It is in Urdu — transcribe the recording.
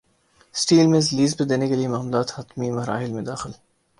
اسٹیل ملز لیز پر دینے کیلئے معاملات حتمی مراحل میں داخل